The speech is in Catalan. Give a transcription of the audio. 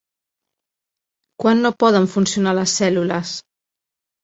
Quan no poden funcionar les cèl·lules?